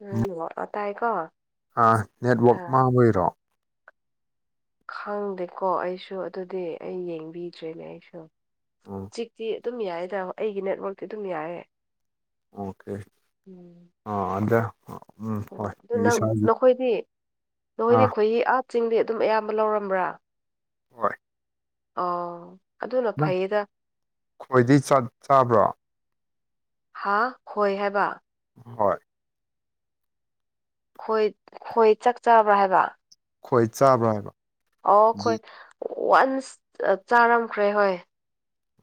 [unintelligible] ꯇꯥꯏꯀꯣ ꯑꯥ ꯅꯦꯠꯋꯥꯛ ꯑꯥ ꯃꯥꯡꯕꯩꯔꯣ ꯈꯪꯗꯦꯀꯣ ꯑꯩꯁꯨ ꯑꯗꯨꯗꯤ ꯑꯩ ꯌꯦꯡꯕꯤꯗ꯭ꯔꯦꯅꯦ ꯑꯩꯁꯨ ꯎꯝ ꯆꯤꯛꯇꯤ ꯑꯗꯨꯝ ꯌꯥꯏꯌꯦꯗꯥ ꯑꯩꯒꯤ ꯅꯦꯠꯋꯥꯛꯇꯤ ꯑꯗꯨꯝ ꯌꯥꯏꯌꯦ ꯑꯣꯀꯦ ꯑꯥ ꯑꯗꯨ ꯑꯣ ꯑꯗꯨ ꯅꯪ ꯅꯈꯣꯏꯗꯤ ꯅꯈꯣꯏꯗꯤ ꯑꯥ ꯑꯩꯈꯣꯏꯒꯤ ꯑꯥ ꯆꯤꯡꯗꯤ ꯑꯗꯨꯝ ꯑꯌꯥꯝꯕ ꯂꯧꯔꯝꯕ꯭ꯔꯥ ꯍꯣꯏ ꯑꯣ ꯑꯗꯨꯅ ꯅꯪ ꯐꯩꯌꯦꯗ ꯈꯣꯏꯗꯤ ꯆꯠ ꯆꯥꯕ꯭ꯔꯣ ꯍꯥ ꯈꯣꯏ ꯍꯥꯏꯕ ꯍꯣꯏ ꯈꯣꯏ ꯈꯣꯏ ꯆꯥꯛ ꯆꯕ꯭ꯔꯥ ꯍꯥꯏꯕ ꯈꯣꯏ ꯆꯥꯕ꯭ꯔꯥ ꯍꯥꯏꯕ ꯑꯣ ꯈꯣꯏ ꯋꯥꯟꯁ ꯆꯥꯔꯝꯈ꯭ꯔꯦ ꯍꯣꯏ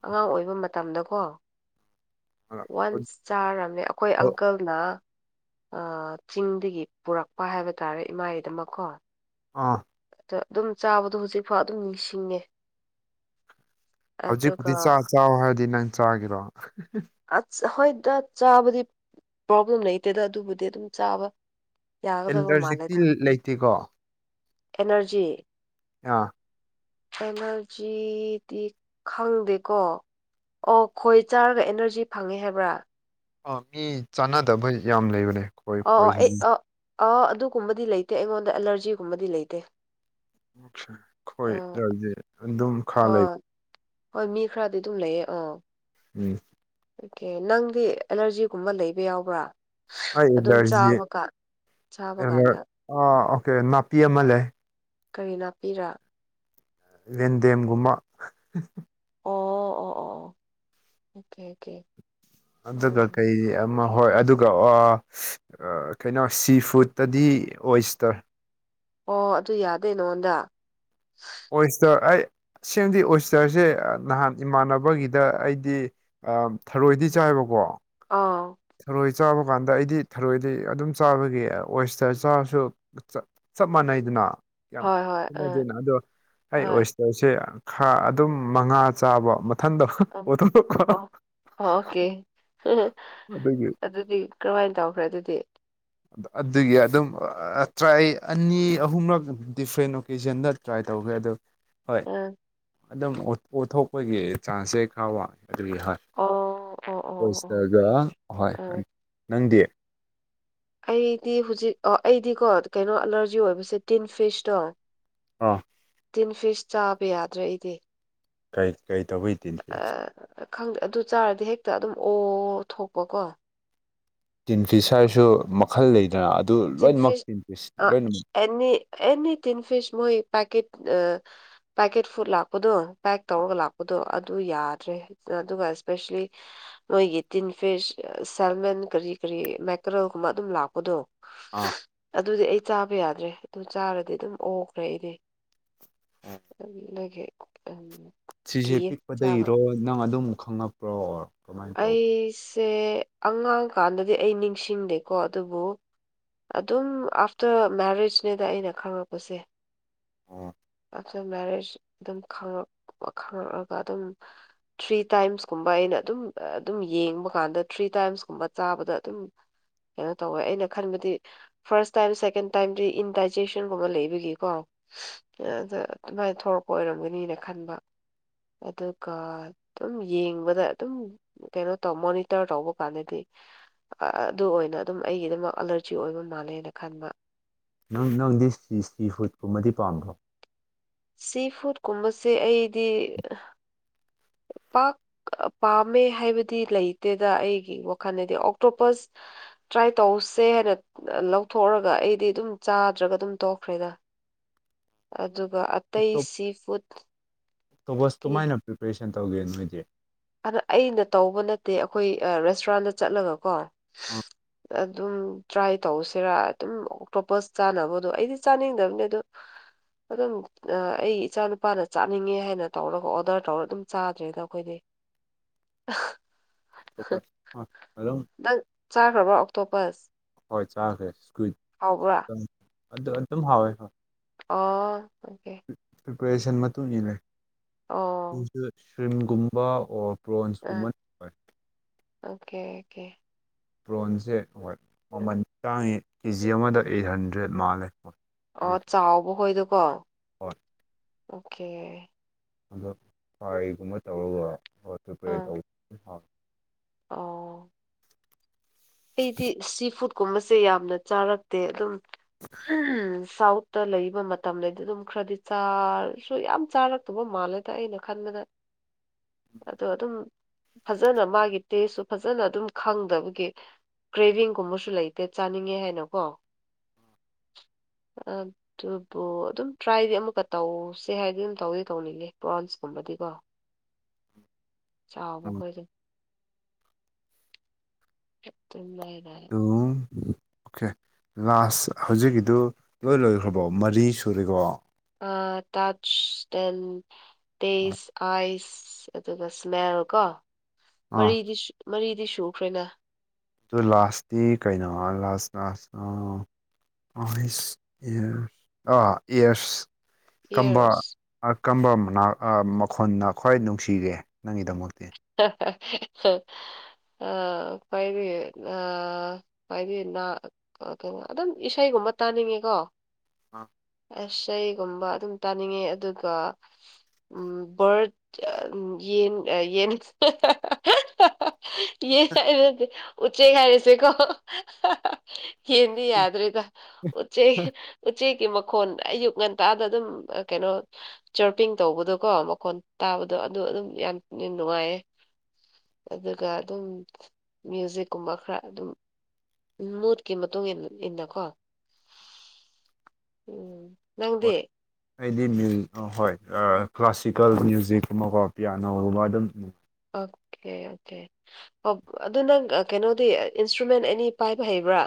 ꯑꯉꯥꯡ ꯑꯣꯏꯕ ꯃꯇꯝꯗꯀꯣ ꯋꯥꯟꯁ ꯆꯥꯔꯝꯃꯦ ꯑꯩꯈꯣꯏ ꯑꯪꯀꯜꯅ ꯑꯥ ꯆꯤꯡꯗꯒꯤ ꯄꯨꯔꯛꯄ ꯍꯥꯏꯕ ꯇꯥꯔꯦ ꯏꯃꯥꯗꯃꯛꯈꯣ ꯑꯥ ꯑ ꯑꯗꯨꯝ ꯆꯥꯕꯗꯣ ꯍꯧꯖꯤꯛꯐꯥꯎ ꯑꯗꯨꯝ ꯅꯤꯡꯁꯤꯡꯉꯦ ꯍꯧꯖꯤꯛꯄꯨꯗꯤ ꯑꯗꯨꯒ ꯆꯥꯛ ꯆꯥꯎ ꯍꯥꯏꯔꯗꯤ ꯅꯪ ꯆꯥꯒꯤꯔꯣ ꯑꯁ ꯍꯣꯏꯗ ꯆꯥꯕꯗꯤ ꯄ꯭ꯔꯣꯕ꯭ꯂꯦꯝ ꯂꯩꯇꯦꯗ ꯑꯗꯨꯕꯨꯗꯤ ꯑꯗꯨꯝ ꯆꯥꯕ ꯌꯥꯒꯗꯕ ꯑꯦꯂꯇꯔꯖꯤꯛꯇꯤ ꯃꯥꯜꯂꯦꯗ ꯂꯩꯇꯦꯀꯣ ꯑꯦꯅꯔꯖꯤ ꯑꯥ ꯑꯦꯅꯔꯖꯤꯗꯤ ꯈꯪꯗꯦꯀꯣ ꯑꯣ ꯈꯣꯏ ꯆꯥꯔꯒ ꯑꯦꯅꯔꯖꯤ ꯐꯪꯉꯦ ꯍꯥꯏꯕ꯭ꯔꯥ ꯑꯥ ꯃꯤ ꯆꯥꯟꯅꯗꯕ ꯌꯥꯝ ꯂꯩꯕꯅꯦ ꯈꯣꯏ ꯑꯣ ꯑꯥ ꯑꯩ ꯈꯣꯏꯁꯤꯗꯤ ꯑ ꯑꯥ ꯑꯗꯨꯒꯨꯝꯕꯗꯤ ꯂꯩꯇꯦ ꯑꯩꯉꯣꯟꯗ ꯑꯦꯂꯔꯖꯤꯒꯨꯝꯕꯗꯤ ꯂꯩꯇꯦ ꯈꯣꯏ ꯑ ꯌꯥ [unintelligible] ꯑꯗꯨꯝ ꯈꯥ ꯂꯩꯕ ꯍꯣꯏ ꯍꯣꯏ ꯃꯤ ꯈꯔꯗꯤ ꯑꯗꯨꯝ ꯂꯩꯌꯦ ꯑ ꯎꯝ ꯑꯣꯀꯦ ꯅꯪꯗꯤ ꯑꯦꯂꯔꯖꯤꯒꯨꯝꯕ ꯂꯩꯕ ꯌꯥꯎꯕ꯭ꯔꯥ ꯑꯩ ꯑꯗꯨꯝ ꯑꯦꯂꯔꯖꯤ ꯆꯥꯕꯀꯥꯟ ꯆꯥꯕ ꯀꯥꯟꯗ ꯑ ꯑꯣꯀꯦ ꯅꯥꯄꯤꯑꯃ ꯂꯩ ꯀꯔꯤ ꯅꯥꯞꯄꯤꯔ ꯔꯦꯟꯗꯦꯝꯒꯨꯝꯕ ꯑꯣ ꯑꯣ ꯑꯣ ꯑꯣ ꯑꯣꯀꯦ ꯑꯣꯀꯦ ꯑꯗꯨꯀ ꯑꯪ ꯀꯩ ꯃ ꯍꯣꯏ ꯑꯗꯨꯒ ꯀꯩꯅꯣ ꯁꯤ ꯐꯨꯠꯇꯗꯤ ꯑꯣꯏꯁꯇꯔꯦ ꯑꯣ ꯑꯗꯨ ꯌꯥꯗꯦ ꯅꯉꯣꯟꯗ ꯑꯣꯏꯁꯇꯔ ꯑꯩ ꯁꯦꯡꯗꯤ ꯑꯣꯏꯁꯇꯔꯁꯦ ꯅꯍꯥꯟ ꯏꯃꯥꯟꯅꯕꯒꯤꯗ ꯑꯩꯗꯤ ꯊꯔꯣꯏꯗꯤ ꯆꯥꯏꯕꯀꯣ ꯑꯥ ꯊꯔꯣꯏ ꯆꯥꯕ ꯀꯥꯟꯗ ꯑꯩꯗꯤ ꯊꯔꯣꯏꯗꯤ ꯑꯗꯨꯝ ꯆꯥꯕꯒꯤ ꯑꯣꯁꯇꯔ ꯆꯥꯔꯁꯨ ꯆꯞ ꯃꯥꯟꯅꯩꯗꯅ ꯌꯥꯝꯌꯥꯝ ꯍꯣꯏ ꯍꯣꯏ ꯑꯥ ꯈꯅꯗꯦꯅ ꯑꯗꯣ ꯑꯩ ꯍꯣꯏ ꯑꯣꯏꯁ ꯀꯁꯦ ꯈꯥ ꯑꯗꯨꯝ ꯃꯉꯥ ꯆꯥꯕ ꯃꯊꯟꯗ ꯑ ꯑꯣꯊꯣꯛꯂꯛꯄ ꯑꯣ ꯑꯣꯀꯦ ꯑꯗꯒꯤ ꯑꯗꯨꯗꯤ ꯀꯔꯝꯍꯥꯏꯅ ꯇꯧꯈ꯭ꯔꯦ ꯑꯗꯨꯗꯤ ꯑꯗꯨꯒꯤ ꯑꯗꯨꯝ ꯇ꯭ꯔꯥꯏ ꯑꯅꯤ ꯑꯍꯨꯝꯔꯛ ꯗꯤꯐ꯭ꯔꯦꯟ ꯑꯣꯀꯦꯖꯟꯗ ꯇ꯭ꯔꯥꯏ ꯇꯧꯈ꯭ꯔꯦ ꯑꯗꯨ ꯍꯣꯏ ꯑꯥ ꯑꯗꯨꯝ ꯑꯣꯠꯊꯣꯛꯄꯒꯤ ꯆꯥꯟꯁꯁꯦ ꯈꯔ ꯋꯥ ꯑꯗꯨꯒꯤ ꯍꯣꯏ ꯑꯣ ꯑꯣ ꯑꯣ ꯑꯣ ꯍꯣꯏꯁꯇꯔꯒ ꯑꯣꯀꯦ ꯑꯍꯣꯏ ꯑꯥ ꯅꯪꯗꯤ ꯑꯩꯗꯤ ꯍꯧꯖꯤꯛ ꯑꯣ ꯑꯩꯗꯤꯀꯣ ꯀꯩꯅꯣ ꯑꯦꯂꯔꯖꯤ ꯑꯣꯏꯕꯁꯦ ꯇꯤꯟ ꯐꯤꯁꯇꯣ ꯑꯥ ꯇꯤꯟ ꯐꯤꯁ ꯆꯥꯕ ꯌꯥꯗ꯭ꯔꯦ ꯑꯩꯗꯤ ꯀꯩ ꯀꯔꯤ ꯇꯧꯕꯩ ꯇꯤꯟ ꯄꯁ ꯑꯥ ꯈꯪꯗꯦ ꯑꯗꯨ ꯆꯥꯔꯗꯤ ꯍꯦꯛꯇ ꯑꯗꯨꯝ ꯑꯣ ꯊꯣꯛꯄꯀꯣ ꯇꯤꯟ ꯐꯤꯁ ꯍꯥꯏꯔꯁꯨ ꯃꯈꯜ ꯂꯩꯗꯅ ꯑꯗꯨ ꯂꯣꯏꯅꯃꯛ ꯇꯤꯟꯐꯤꯁ ꯂꯣꯏꯅꯃꯛ ꯅꯤ ꯑꯦꯅꯤ ꯇꯤꯟ ꯐꯤꯁ ꯃꯣꯏ ꯄꯦꯛꯀꯦꯠ ꯑ ꯄꯦꯛꯀꯦꯠ ꯐꯨꯗ ꯂꯥꯛꯄꯗꯣ ꯄꯦꯛ ꯇꯧꯔꯒ ꯂꯥꯛꯄꯗꯣ ꯑꯗꯨ ꯌꯥꯗ꯭ꯔꯦ ꯑꯗꯨꯒ ꯏꯁꯄꯦꯁꯂꯤ ꯃꯣꯏꯒꯤ ꯇꯤꯟ ꯐꯤꯁ ꯁꯦꯜꯃꯦꯟ ꯀꯔꯤ ꯀꯔꯤ ꯃꯥꯏꯀ꯭ꯔꯣꯒꯨꯝꯕ ꯑꯗꯨꯝ ꯂꯥꯛꯄꯗꯣ ꯑꯥ ꯑꯗꯨꯗꯤ ꯑꯩ ꯆꯥꯕ ꯌꯥꯗ꯭ꯔꯦ ꯑꯗꯨ ꯆꯥꯔꯗꯤ ꯑꯗꯨꯝ ꯑꯣꯈ꯭ꯔꯦ ꯑꯩꯗꯤ [unintelligible] ꯁꯤꯁꯦ ꯀꯤꯌꯦ ꯆꯥꯕ ꯄꯤꯛꯄꯗꯩꯔꯣ ꯅꯪ ꯑꯗꯨꯝ ꯈꯪꯉꯛꯄ꯭ꯔꯣ ꯑꯣꯔ ꯀꯃꯥꯏꯅ ꯇꯧ ꯑꯩꯁꯦ ꯑꯉꯥꯡꯀꯥꯟꯗꯗꯤ ꯑꯩ ꯅꯤꯡꯁꯤꯡꯗꯦꯀꯣ ꯑꯗꯨꯕꯨ ꯑꯗꯨꯝ ꯑꯥꯐꯇꯔ ꯃꯦꯔꯤꯌꯦꯖꯅꯦꯗ ꯑꯩꯅ ꯈꯪꯉꯛꯄꯁꯦ ꯑꯣ ꯑꯥꯞꯇꯔ ꯃꯦꯔꯦꯖ ꯑꯗꯨꯝ ꯈꯛ ꯈꯉꯛꯂꯒ ꯑꯗꯨꯝ ꯊ꯭ꯔꯤ ꯇꯥꯏꯝꯁꯀꯨꯝꯕ ꯑꯩꯅ ꯑꯗꯨꯝ ꯑꯗꯨꯝ ꯌꯦꯡꯕ ꯀꯥꯟꯗ ꯊ꯭ꯔꯤ ꯇꯥꯏꯝꯁ ꯀꯨꯝꯕ ꯆꯥꯕꯗ ꯑꯗꯨꯝ ꯀꯩꯅꯣ ꯇꯧꯋꯦ ꯑꯩꯅ ꯈꯟꯕꯗꯤ ꯐꯥꯔꯁ ꯇꯥꯏꯝ ꯁꯦꯀꯦꯟ ꯇꯥꯏꯝꯗꯤ ꯏꯟꯗꯥꯏꯖꯦꯁꯟꯒꯨꯝꯕ ꯂꯩꯕꯒꯤꯀꯣ ꯑꯗ ꯑꯗꯨ ꯅꯣꯏꯊꯣꯂꯛꯄ ꯑꯣꯏꯔꯝꯒꯅꯤꯅ ꯈꯟꯕ ꯑꯗꯨꯒ ꯑꯗꯨꯝ ꯌꯦꯡꯕꯗ ꯑꯗꯨꯝ ꯀꯩꯅꯣ ꯇ ꯃꯣꯅꯤꯇꯔ ꯇꯧꯕ ꯀꯥꯥꯟꯗꯤ ꯑꯗꯨ ꯑꯣꯏꯅ ꯑꯗꯨꯝ ꯑꯩꯒꯤꯗꯤ ꯑꯦꯂꯔꯖꯤ ꯑꯣꯏꯕ ꯃꯥꯜꯂꯦꯅ ꯈꯟꯕ ꯅꯪ ꯅꯪꯗꯤ ꯁꯤ ꯐꯨꯗꯀꯨꯝꯕꯗꯤ ꯄꯥꯝꯕ꯭ꯔꯣ ꯁꯤ ꯐꯨꯗ ꯀꯨꯝꯕꯁꯦ ꯑꯩꯗꯤ ꯄꯥꯛ ꯄꯥꯝꯃꯦ ꯍꯥꯏꯕꯗꯤ ꯂꯩꯇꯦꯗ ꯑꯩꯒꯤ ꯋꯥꯈꯜꯗꯗꯤ ꯑꯣꯛꯇꯣꯄꯁ ꯇ꯭ꯔꯥꯏ ꯇꯧꯁꯦ ꯍꯥꯏꯅ ꯂꯧꯊꯣꯛꯑꯔꯒ ꯑꯩꯗꯤ ꯑꯗꯨꯝ ꯆꯥꯗ꯭ꯔꯒ ꯑꯗꯨꯝ ꯇꯣꯛꯈ꯭ꯔꯦꯗ ꯑꯗꯨꯒ ꯑꯇꯩ ꯁꯤ ꯐꯨꯗ ꯇꯣꯄꯁ ꯀꯃꯥꯏꯅ ꯄ꯭ꯔꯤꯄꯦꯔꯦꯁꯟ ꯇꯧꯒꯦ ꯅꯣꯏꯗꯤ ꯑꯗ ꯑꯩꯅ ꯇꯧꯕ ꯅꯠꯇꯦ ꯑꯩꯈꯣꯏ ꯔꯦꯁꯇꯨꯔꯥꯟꯗ ꯆꯠꯂꯒ ꯀꯣ ꯑ ꯑꯗꯨꯝ ꯇ꯭ꯔꯥꯏ ꯇꯧꯁꯤꯔꯥ ꯑꯗꯨꯝ ꯑꯣꯇꯣꯞꯄꯁ ꯆꯥꯅꯕꯗꯣ ꯑꯩꯗꯤ ꯆꯥꯅꯤꯡꯗꯕꯅꯤ ꯑꯗꯨ ꯑꯗꯝ ꯑꯩ ꯏꯆꯥ ꯅꯨꯄꯥꯅ ꯆꯥꯅꯤꯡꯉꯦ ꯍꯥꯏꯅ ꯇꯧꯔꯒ ꯑꯣꯔꯗꯔ ꯇꯧꯔ ꯑꯗꯨꯝ ꯆꯥꯗ꯭ꯔꯦꯗ ꯑꯩꯈꯣꯏꯗꯤ ꯑꯇꯣꯞꯄ ꯑꯗꯨꯝ ꯅꯪ ꯆꯥꯈ꯭ꯔꯕ꯭ꯔꯣ ꯑꯣꯛꯇꯣꯄꯕꯁ ꯍꯣꯏꯣꯏ ꯆꯥꯈ꯭ꯔꯦ ꯁꯀ꯭ꯋꯤꯠ ꯑꯗꯨ ꯑꯗꯨꯝ ꯍꯥꯎꯋꯦ ꯍꯣꯏ ꯑꯣ ꯑꯣꯀꯦ ꯄ꯭ꯔꯤꯄꯦꯔꯦꯁꯟ ꯃꯇꯨꯡ ꯑꯣ ꯏꯟꯅꯁꯨ ꯁ꯭ꯔꯤꯝꯒꯨꯝꯕ ꯑꯣꯔ ꯑ ꯄ꯭ꯔꯣꯟꯁꯀꯨꯟ ꯑꯣꯀꯦ ꯑꯣꯀꯦ ꯄ꯭ꯔꯣꯟꯁꯦ ꯍꯣꯏ ꯃꯃꯜ ꯇꯥꯡꯉꯤ ꯀꯦꯖꯤ ꯑꯃꯗ ꯑꯩꯠ ꯍꯟꯗ꯭ꯔꯦꯗ ꯃꯥꯜꯂꯦ ꯍꯣꯏ ꯑꯣ ꯑꯗꯨꯁꯨ ꯆꯥꯎꯕ ꯍꯣꯏꯗꯀꯣ ꯍꯣꯏ ꯑꯣꯀꯦ ꯑꯗꯣ ꯐ꯭ꯔꯥꯏꯒꯨꯝꯕ ꯇꯧꯔꯒ ꯇ꯭ꯔꯤꯄꯔꯦ ꯑꯥ ꯇꯧꯕ ꯑꯣ ꯑꯩꯗꯤ ꯁꯤ ꯐꯨꯗꯀꯨꯝꯕꯁꯦ ꯌꯥꯝꯅ ꯆꯥꯔꯛꯇꯦ ꯑꯗꯨꯝ ꯁꯥꯎꯠ ꯇ ꯂꯩꯕ ꯃꯇꯝꯗꯗꯤ ꯑꯗꯨꯝ ꯈꯔꯗꯤ ꯆꯥꯔꯁꯨ ꯌꯥꯝ ꯆꯥꯔꯛꯇꯕ ꯃꯥꯜꯂꯦꯗ ꯑꯩꯅ ꯈꯟꯕꯗ [unintelligible] [unintelligible] ꯑꯗꯣ ꯑꯗꯨꯝ ꯐꯖꯅ ꯃꯥꯒꯤ ꯇꯦꯁꯁꯨ ꯐꯖꯅ ꯑꯗꯨꯝ ꯈꯪꯗꯕꯒꯤ ꯀ꯭ꯔꯦꯚꯤꯡꯒꯨꯝꯕꯁꯨ ꯂꯩꯇꯦ ꯆꯥꯅꯤꯡꯉꯦ ꯍꯥꯏꯅ ꯀꯣ ꯑꯣ ꯑꯗꯨꯕꯨ ꯑꯗꯨꯝ ꯇ꯭ꯔꯥꯏꯗꯤ ꯑꯃꯨꯛꯀ ꯇꯧꯁꯦ ꯍꯥꯏꯗꯤ ꯑꯗꯨꯝ ꯇꯧꯗꯤ ꯇꯧꯅꯤꯡꯉꯦ ꯄ꯭ꯔꯥꯎꯟꯁꯀꯨꯝꯕꯗꯤꯀꯣ ꯆꯥꯕꯗ ꯗꯨꯝ [inaudible] ꯑꯗꯨꯝ ꯑꯣꯀꯦ ꯂꯥꯁ ꯍꯧꯖꯤꯛꯀꯤꯗꯨ ꯂꯣꯏ ꯂꯣꯏꯈ꯭ꯔꯕꯣ ꯃꯔꯤ ꯁꯨꯔꯦꯀꯣ ꯑ ꯇꯠꯁ ꯗꯦꯟ ꯇꯦꯁ ꯑꯥꯏꯁ ꯑꯗꯨꯒ ꯁ꯭ꯃꯦꯜ ꯀꯣ ꯑꯗꯨ ꯃꯔꯤꯗꯤ ꯃꯔꯤꯗꯤ ꯁꯨꯈ꯭ꯔꯦꯅ ꯑꯗꯨꯗꯣ ꯂꯥꯁꯇꯤ ꯀꯩꯅꯣ ꯂꯥꯁ ꯂꯥꯁ ꯑ ꯑꯥ ꯑꯦꯌꯔꯁ ꯀꯝꯕ ꯌꯦꯔꯁ ꯀꯔꯝꯕ ꯃꯅꯥ ꯃꯈꯣꯟꯅ ꯈ꯭ꯋꯥꯏ ꯅꯨꯡꯁꯤꯔꯦ ꯅꯪꯒꯤꯗꯃꯛꯇꯤ [unintelligible] [inaudible] ꯀꯣ ꯑꯗꯨꯝ ꯏꯁꯩꯒꯨꯝꯕ ꯇꯥꯅꯤꯡꯉꯦꯀꯣ ꯑꯥ ꯑꯁ ꯑꯩꯒꯨꯝꯕ ꯑꯗꯨꯝ ꯇꯥꯅꯤꯡꯉꯦ ꯑꯗꯨꯒ ꯎꯝ ꯔꯠ ꯌꯦꯟ ꯌꯦꯟ ꯎ ꯎꯆꯦ ꯈꯥꯏ ꯁꯦꯀꯣ ꯍꯗꯤ ꯌꯥꯗ꯭ꯔꯦꯒ ꯎ ꯎꯆꯦꯛ ꯎ ꯎꯆꯦꯛ ꯀ ꯃ ꯈꯣꯟ ꯑꯌꯨꯛ ꯉꯟꯇꯥꯗ ꯑꯗꯨꯝ ꯀꯩꯅꯣ ꯆꯔꯄꯤꯡ ꯇꯧꯕꯗꯣꯀꯣ ꯃꯈꯣꯟ ꯇꯥꯕꯗꯣ ꯑꯗꯨꯗꯣ ꯑꯗꯨꯝ ꯌꯥꯝ ꯅꯨꯡꯉꯥꯏꯌꯦꯦ ꯑꯗꯨꯒ ꯑꯗꯨꯝ ꯃ꯭ꯌꯨꯖꯤꯛꯀꯨꯝꯕ ꯈꯔ ꯑꯗꯨꯝ ꯎ ꯃꯨꯠꯀꯤ ꯃꯇꯨꯡ ꯏꯟꯅ ꯏꯟꯅꯀꯣ ꯎꯝ ꯅꯪꯗꯤꯦ ꯑꯩꯗꯤꯨ ꯍꯣꯏ ꯀ꯭ꯂꯥꯁꯤꯀꯦꯜ ꯃ꯭ꯌꯨꯖꯤꯛꯀꯨꯝꯕꯀꯣ ꯄꯤꯌꯥꯅꯣꯒꯨꯝꯕ ꯑꯗꯨꯝ ꯑꯣꯀꯦ ꯑꯣꯀꯦ ꯑꯣ ꯑꯗꯨ ꯅꯪ ꯀꯩꯅꯣꯗꯤ ꯏꯟꯁꯇ꯭ꯔꯨꯃꯦꯟ ꯑꯅꯤ ꯄꯥꯏꯕ ꯍꯩꯕ꯭ꯔꯥ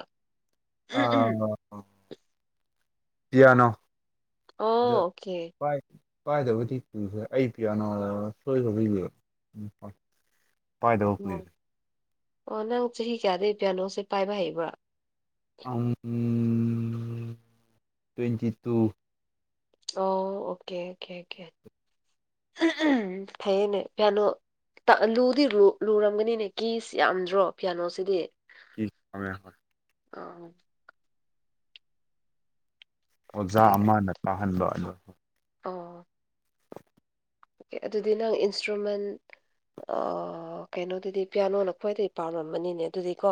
ꯎꯝ ꯎꯝ ꯑꯥ ꯄꯤꯌꯥꯅꯣ ꯑꯣ ꯑꯗ ꯑꯣꯀꯦ ꯄꯥꯏꯗꯕꯗꯤ ꯇꯨꯈ꯭ꯔꯦ ꯑꯩ ꯄꯤꯌꯥꯅ ꯁꯣꯏ ꯍꯧꯕꯕꯤꯒꯦ ꯎꯝ ꯎ ꯑꯣ ꯅꯪ ꯆꯍꯤ ꯀꯌꯥꯗꯩ ꯄꯤꯌꯥꯅꯣꯁꯦ ꯄꯥꯏꯕ ꯍꯩꯕ꯭ꯔꯥ ꯑ ꯇ꯭ꯋꯦꯟꯇꯤ ꯇꯨ ꯑꯣ ꯑꯣꯀꯦ ꯑꯣꯀꯦ ꯑꯣꯀꯦ ꯈꯩꯅꯦ ꯐꯦꯅꯣ ꯂꯨꯗꯤ ꯂꯨꯔꯝꯒꯅꯤꯅꯦ ꯀꯤꯁ ꯌꯥꯝꯗ꯭ꯔꯣ ꯐꯤꯌꯥꯅꯣꯁꯤꯗꯤ ꯀ ꯀꯃꯦ ꯍ ꯑꯣ ꯑꯣꯖꯥ ꯑꯣꯀꯦ ꯑꯃꯅ ꯇꯥꯍꯟꯂ ꯑ ꯑꯣ ꯑꯣꯀꯦ ꯑꯗꯨꯗꯤ ꯅꯪ ꯏꯟꯁꯇ꯭ꯔꯨꯃꯦꯟ ꯑꯣ ꯀꯩꯅꯣꯗꯨꯗꯤ ꯄꯤꯌꯥꯅꯣꯅ ꯈ꯭ꯋꯥꯏꯗꯒꯤꯩ ꯄꯥꯝꯂꯝꯝꯕꯅꯤꯅꯦ ꯑꯗꯨꯗꯤꯀꯣ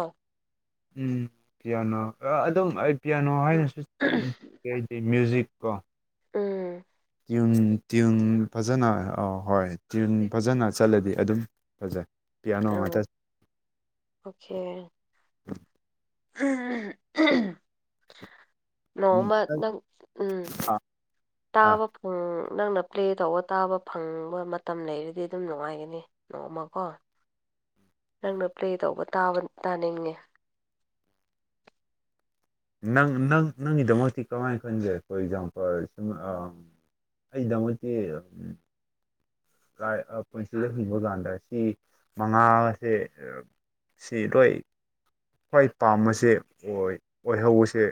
ꯎꯝ ꯄꯤꯌꯥꯅꯣ ꯑꯗꯨꯝ ꯑꯩ ꯄꯤꯌꯥꯅꯣ ꯍꯥꯏꯅꯁꯨꯉ ꯀꯦꯗꯤ ꯃ꯭ꯌꯨꯖꯤꯛ ꯀꯣ ꯎꯝ ꯇ꯭ꯌꯟ ꯇ꯭ꯌꯟ ꯐꯖꯅ ꯑ ꯍꯣꯏ ꯇ꯭ꯌꯟ ꯐꯖꯅ ꯆꯠꯂꯗꯤ ꯑꯗꯨꯝ ꯐꯖꯩ ꯄꯤꯌꯥꯅꯣ ꯑ ꯉꯥꯛꯇ ꯑꯣꯀꯦ ꯎꯝ ꯅꯣꯡꯃꯗ ꯎꯝ ꯇꯥꯕ ꯎ ꯅꯪꯅ ꯄ꯭ꯂꯦ ꯇꯧꯕ ꯇꯥꯕ ꯐꯪꯕ ꯃꯇꯝ ꯂꯩꯔꯗꯤ ꯑꯗꯨꯝ ꯅꯨꯡꯉꯥꯏꯒꯅꯤ ꯅꯣꯡꯃ ꯀꯣ ꯅꯪꯅ ꯄ꯭ꯂꯦ ꯇꯧꯕꯥ ꯇꯥꯅꯤꯡꯉꯦ ꯅꯪ ꯅꯪ ꯅꯪꯒꯤꯗꯃꯛꯇꯤ ꯀꯃꯥꯏꯅ ꯈꯟꯒꯦ ꯐꯣꯔ ꯑꯦꯛꯖꯥꯝꯄꯜ ꯑꯩꯒꯤꯗꯃꯛꯇꯤ ꯄꯨꯟꯁꯤꯜꯂ ꯍꯤꯡꯕ ꯀꯥꯟꯗ ꯁꯤ ꯃꯉꯥꯁꯦ ꯁꯤ ꯂꯣꯏ ꯈ꯭ꯋꯥꯏ ꯄꯥꯝꯕꯁꯦ ꯑꯣꯏ ꯑꯣꯏꯍꯧꯕꯁꯦ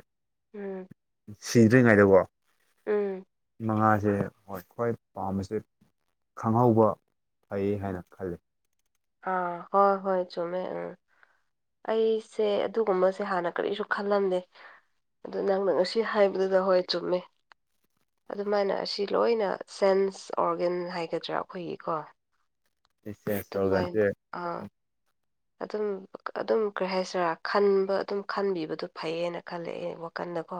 ꯎꯝ ꯁꯤꯗ꯭ꯔꯤꯉꯩꯗꯀꯣ ꯎꯝ ꯃꯉꯥꯁꯦ ꯍꯣꯏ ꯈ꯭ꯋꯥꯏ ꯄꯥꯝꯕꯁꯦ ꯈꯪꯍꯧꯕ ꯐꯩ ꯍꯥꯏꯅ ꯈꯜꯂꯤ ꯑꯥ ꯍꯣꯏ ꯍꯣꯏ ꯆꯃꯦ ꯑ ꯑꯩꯁꯦ ꯑꯗꯨꯒꯨꯝꯕꯁꯦ ꯍꯥꯟꯅ ꯀꯔꯤꯁꯨ ꯈꯜꯂꯝꯗꯦ ꯑꯗꯨ ꯅꯪꯅ ꯉꯁꯤ ꯍꯥꯏꯕꯗꯨꯗ ꯍꯣꯏ ꯆꯨꯝꯃꯦ ꯑꯗꯨꯃꯥꯏꯅ ꯑꯁꯤ ꯂꯣꯏꯅ ꯁꯦꯟꯁ ꯑꯣꯔꯒꯦꯟ ꯍꯥꯏꯒꯗ꯭ꯔꯥ ꯑꯩꯈꯣꯏꯒꯤꯀꯣ ꯑꯗꯨꯃꯥꯏꯅ [unintelligible] ꯑꯥ ꯑꯗꯨꯝ ꯑꯗꯨꯝ ꯀꯩ ꯍꯥꯏꯁꯤꯔꯥ ꯈꯟꯕ ꯑꯗꯨꯝ ꯈꯟꯕꯤꯕꯗꯨꯣ ꯐꯩꯌꯦꯅ ꯈꯜꯂꯦ ꯑꯩ ꯋꯥꯈꯟꯗꯀꯣ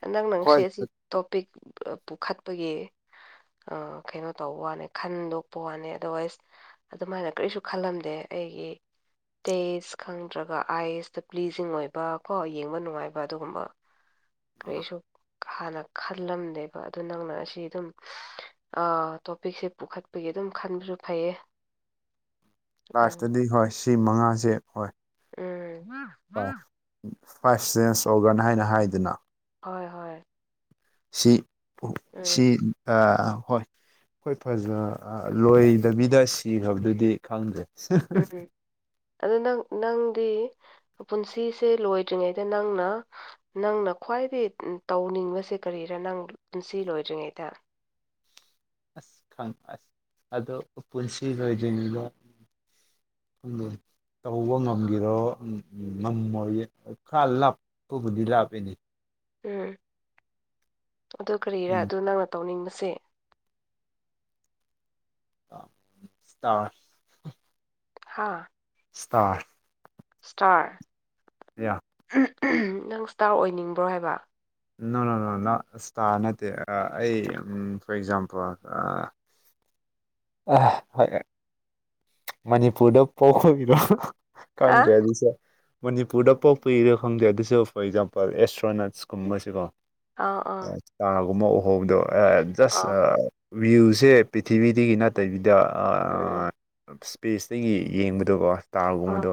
ꯍꯟꯗꯪ ꯅꯪꯁꯦ ꯍꯣꯏ ꯑꯁꯤ ꯇꯣꯄꯤꯛ ꯄꯨꯈꯠꯄꯒꯤ ꯑ ꯀꯩꯅꯣ ꯇꯧꯕ ꯋꯥꯅꯦ ꯈꯟꯗꯣꯛꯄ ꯋꯥꯅꯦ ꯑꯗꯔꯋꯥꯏꯁ ꯑꯗꯨꯃꯥꯏꯅ ꯀꯔꯤꯁꯨ ꯈꯜꯂꯝꯗꯦ ꯑꯩꯒꯤ ꯇꯦꯁ ꯈꯪꯗ꯭ꯔꯒ ꯑꯥꯏꯁꯇ ꯄ꯭ꯂꯤꯖꯤꯡ ꯑꯣꯏꯕ ꯀꯣ ꯌꯦꯡꯕ ꯅꯨꯡꯉꯥꯏꯕ ꯑꯗꯨꯒꯨꯝꯕ ꯀꯔꯤꯁꯨ ꯍꯥꯟꯅ ꯈꯜꯂꯝꯗꯦꯕ ꯑꯗꯨ ꯅꯪꯅ ꯑꯁꯤ ꯑꯗꯨꯝ ꯇꯣꯄꯤꯛꯁꯦ ꯄꯨꯈꯠꯄꯒꯤ ꯑꯗꯨꯝ ꯈꯟꯕꯁꯨ ꯐꯩꯌꯦ ꯑꯗꯨ ꯂꯥꯁꯇꯗꯤ ꯍꯣꯏ ꯁꯤ ꯃꯉꯥꯁꯦ ꯍꯣꯏ ꯎꯝ ꯥꯏꯚ ꯐꯥꯏꯚ ꯆꯦꯟꯁ ꯑꯣꯔꯒꯥꯟ ꯍꯥꯏꯅ ꯍꯥꯏꯗꯅ ꯍꯣꯏ ꯍꯣꯏ ꯁꯤ ꯎꯝ ꯁꯤ ꯑꯥ ꯍꯣꯏ ꯑꯩꯈꯣꯏ ꯐꯖ ꯂꯣꯏ ꯗꯕꯤꯗ ꯁꯤꯈ꯭ꯔꯕꯗꯨꯗꯤ ꯈꯪꯗ꯭ꯔꯦ ꯎꯝ ꯎꯝ ꯑꯗꯨ ꯅꯪ ꯅꯪꯗꯤ ꯄꯨꯟꯁꯤꯁꯦ ꯂꯣꯏꯗ꯭ꯔꯤꯉꯩꯗ ꯅꯪꯅ ꯅꯪꯅ ꯈ꯭ꯋꯥꯏꯗꯒꯤ ꯇꯧꯅꯤꯡꯕꯁꯦ ꯀꯔꯤꯔꯥ ꯅꯪ ꯄꯨꯟꯁꯤ ꯂꯣꯏꯗ꯭ꯔꯤꯉꯩꯗ ꯑꯁ ꯈꯪ ꯑꯁ ꯑꯗꯣ ꯄꯨꯟꯁꯤ ꯂꯣꯏꯗ꯭ꯔꯤꯉꯩꯗ ꯎꯝ ꯇꯧꯕ ꯉꯝꯒꯤꯔꯣ ꯉꯝꯃꯣꯏ ꯈꯔ ꯂꯥꯞꯄꯕꯨꯗꯤ ꯂꯥꯞꯄꯅꯤ ꯎꯝ ꯑꯗꯨ ꯀꯔꯤꯔꯥ ꯎꯝ ꯑꯗꯨ ꯅꯪꯅ ꯇꯧꯅꯤꯡꯕꯁꯦ ꯑꯦꯁꯇꯔ ꯍꯥꯥ ꯁꯇꯥꯔ ꯁꯇꯥꯔ ꯌꯥ [unintelligible] ꯅꯪ ꯏꯁ꯭ꯇꯥꯔ ꯑꯣꯏꯅꯤꯡꯕ꯭ꯔꯣ ꯍꯥꯏꯕ ꯅꯣꯅꯣꯅꯣ ꯅꯣ ꯏꯁ꯭ꯇꯥꯔ ꯅꯠꯇꯦ ꯑꯩ ꯐꯣꯔ ꯑꯦꯛꯖꯥꯝꯄꯜ [unintelligible] ꯃꯅꯤꯄꯨꯔꯗ ꯄꯣꯛ [unintelligible] ꯔꯣ ꯍꯥ ꯀꯪꯗ꯭ꯔꯦ ꯑꯗꯨꯁꯦ ꯃꯅꯤꯄꯨꯔꯗ ꯄꯣꯛꯄ ꯏꯔꯦ ꯈꯪꯗꯦ ꯑꯗꯨꯁꯨ ꯐꯣꯔ ꯑꯦꯛꯖꯥꯝꯄꯜ ꯑꯦꯁꯇ꯭ꯔꯣꯅꯠꯁ ꯀꯨꯝꯕꯁꯤꯀꯣ ꯑꯥ ꯑꯥ ꯆꯥꯒꯨꯝꯕ ꯎꯍꯧꯕ ꯑꯑꯥ ꯖꯁ ꯑ ꯋꯤꯜꯁꯦ ꯄ꯭ꯔꯤꯊꯤꯕꯤꯗꯒꯤ ꯅꯠ ꯇꯩꯕꯤꯗ ꯑꯑꯥ ꯏꯁꯄꯦꯁꯇꯒꯤ ꯌꯦꯡꯕꯗꯣꯀꯣ ꯑ ꯑ ꯏꯁꯇꯥꯔꯒꯨꯝꯕꯗꯣ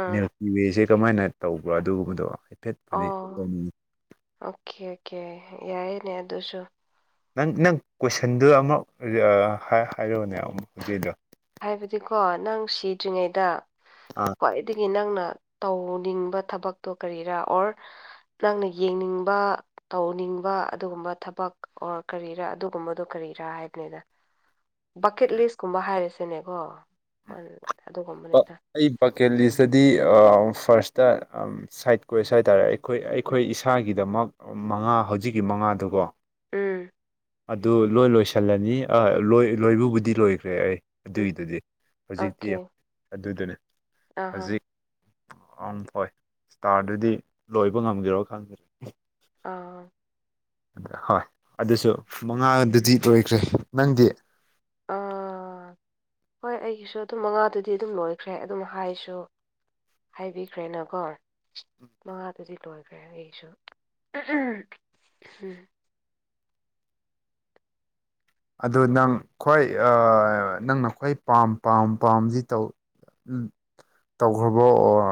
ꯑ ꯃꯤꯜꯀꯤ ꯋꯦ ꯀꯃꯥꯏꯅ ꯇꯧꯕ꯭ꯔꯥ ꯑꯗꯨꯒꯨꯝꯕꯗꯣ ꯍꯥꯏꯐꯦꯠ ꯑꯣ ꯑꯣꯀꯦ ꯑꯣꯀꯦ ꯌꯥꯏꯅꯦ ꯑꯗꯨꯁꯨ ꯅꯪ ꯅꯪ ꯀꯣꯏꯁꯟꯗꯨ ꯑꯃꯨꯛ ꯍꯥꯏꯔꯨꯎꯅꯦ ꯍꯧꯖꯤꯛꯗꯣ ꯍꯥꯏꯕꯗꯤꯀꯣ ꯅꯪ ꯁꯤꯗ꯭ꯔꯤꯉꯩꯗ ꯑ ꯈ꯭ꯋꯥꯏꯗꯒꯤ ꯅꯪꯅ ꯇꯧꯅꯤꯡꯕ ꯊꯕꯛꯇꯣ ꯀꯔꯤꯔꯥ ꯑꯣꯔ ꯅꯪꯅ ꯌꯦꯡꯅꯤꯡꯕ ꯇꯧꯅꯤꯡꯕ ꯑꯗꯨꯒꯨꯝꯕ ꯊꯕꯛ ꯑꯣꯔ ꯀꯔꯤꯔꯥ ꯑꯗꯨꯒꯨꯝꯕꯗꯣ ꯀꯔꯤꯔꯥ ꯍꯥꯏꯕꯅꯤꯗ ꯕꯛꯀꯦꯠ ꯂꯤꯁꯀꯨꯝꯕ ꯍꯥꯏꯔꯁꯤꯅꯦꯀꯣ ꯕ- ꯑꯗꯨꯒꯨꯝꯕꯅꯦꯗ ꯑꯩ ꯕꯀꯦꯜꯂꯤꯁꯗꯗꯤ ꯐꯥꯔꯁꯇ ꯁꯥꯏꯠ ꯀꯣꯏꯁ ꯍꯥꯏꯇꯥꯔꯦ ꯑꯩ ꯑꯩꯈꯣꯏ ꯑꯩꯈꯣꯏ ꯏꯁꯥꯒꯤꯗꯃꯛ ꯃꯉꯥ ꯍꯧꯖꯤꯛꯀꯤ ꯃꯉꯥꯗꯨꯀꯣ ꯎꯝ ꯑꯗꯨ ꯂꯣꯏ ꯂꯣꯏꯁꯤꯜꯂꯅꯤ ꯑ ꯂꯣꯏ ꯂꯣꯏꯕꯨꯕꯨꯗꯤ ꯂꯣꯏꯈ꯭ꯔꯦ ꯑꯩ ꯎꯝ ꯑꯗꯨꯏꯗꯨꯗꯤ ꯍꯧꯖꯤꯛꯇꯤ ꯑꯣꯀꯦ ꯑꯗꯨꯗꯨꯅꯤ ꯑꯍꯥ ꯍꯧꯖꯤꯛ ꯑꯝ ꯍꯣꯏ ꯏꯁꯇꯥꯔꯗꯨꯗꯤ ꯂꯣꯏꯕ ꯉꯝꯒꯦꯔꯣ ꯈꯪꯗꯦ ꯑꯥ ꯍꯣꯏ ꯑꯗꯨꯁꯨ ꯃꯉꯥꯗꯨꯗꯤ ꯂꯣꯏꯈ꯭ꯔꯦ ꯅꯪꯗꯤ ꯥ ꯍꯣꯏ ꯑꯩꯒꯤꯁꯨ ꯑꯗꯨꯝ ꯃꯉꯥꯗꯨꯗꯤ ꯑꯗꯨꯝ ꯂꯣꯏꯈ꯭ꯔꯦ ꯑꯗꯨꯝ ꯍꯥꯏꯁꯨ ꯍꯥꯏꯕꯤꯈ꯭ꯔꯦꯅꯀꯣ ꯃꯉꯥꯗꯨꯗꯤ ꯂꯣꯏꯈ꯭ꯔꯦ ꯑꯩꯁꯨ [unintelligible] ꯑꯗꯨ ꯅꯪ ꯈ꯭ꯋꯥꯏ ꯅꯪꯅ ꯈ꯭ꯋꯥꯏ ꯄꯥꯝ ꯄꯥꯝ ꯄꯥꯝꯁꯤ ꯇꯧ ꯎ ꯇꯧꯈꯔꯕ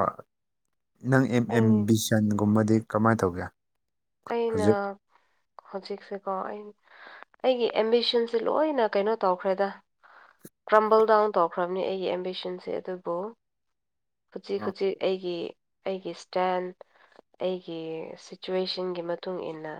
ꯅꯪ ꯑꯦꯝ ꯑꯦꯝ ꯑꯩ ꯕꯤꯁꯟꯒꯨꯝꯕꯗꯤ ꯀꯃꯥꯏꯅ ꯇꯧꯒꯦ ꯑꯩꯅ ꯍꯧꯖꯤꯛ ꯍꯧꯖꯤꯛꯁꯦꯀꯣ ꯑꯩ ꯑꯩꯒꯤ ꯑꯦꯝꯕꯤꯁꯟꯁꯦ ꯂꯣꯏꯅ ꯀꯩꯅꯣ ꯇꯧꯈ꯭ꯔꯦꯗ ꯀ꯭ꯔꯝꯕꯜ ꯗꯥꯎꯟ ꯇꯧꯔꯈ꯭ꯔꯕꯅꯤ ꯑꯩꯒꯤ ꯑꯦꯝꯕꯤꯁꯟꯁꯦ ꯑꯗꯨꯕꯨ ꯍꯧꯖꯤꯛ ꯑ ꯍꯧꯖꯤꯛ ꯑꯩꯒꯤ ꯑꯩꯒꯤ ꯏꯁꯇꯦꯟ ꯑꯩꯒꯤ ꯁꯤꯆꯨꯋꯦꯁꯟ ꯆꯤꯡꯒꯤ ꯃꯇꯨꯡ ꯏꯟꯅ